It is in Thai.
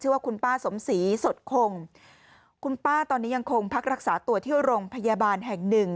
ว่าคุณป้าสมศรีสดคงคุณป้าตอนนี้ยังคงพักรักษาตัวที่โรงพยาบาลแห่งหนึ่ง